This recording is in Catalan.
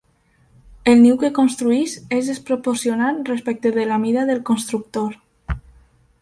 El niu que construeix és desproporcionat respecte de la mida del constructor.